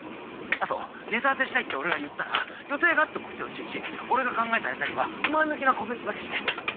あとネタ合わせしたいって俺が言ったら予定があっても来てほしいし俺が考えたネタには前向きなコメントだけして。